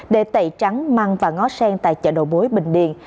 để tẩy trắng măng và ngó sen tại chợ đầu mối bình điền